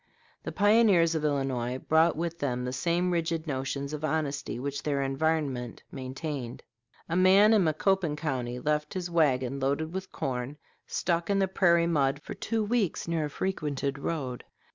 The pioneers of Illinois brought with them the same rigid notions of honesty which their environment maintained. A man in Macoupin County left his wagon, loaded with corn, stuck in the prairie mud for two weeks near a frequented road.